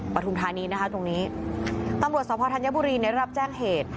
ปฐุมธานีนะคะตรงนี้ตำรวจสภธัญบุรีได้รับแจ้งเหตุ